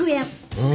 うん。